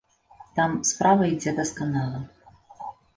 Там справа ідзе дасканала.